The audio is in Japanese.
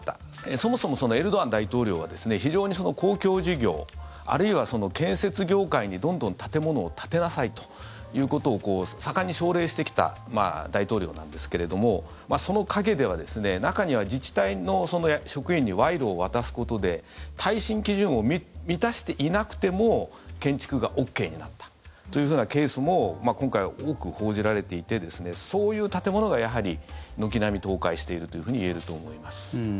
そもそもエルドアン大統領は非常に公共事業あるいは建設業界にどんどん建物を建てなさいということを盛んに奨励してきた大統領なんですけれどもその陰では、中には自治体の職員に賄賂を渡すことで耐震基準を満たしていなくても建築がＯＫになったというふうなケースも今回、多く報じられていてそういう建物がやはり軒並み倒壊しているというふうに言えると思います。